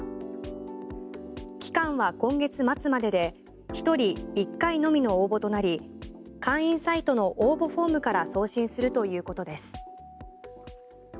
期間は今月末までで１人１回のみの応募となり会員サイトの応募フォームから送信するということです。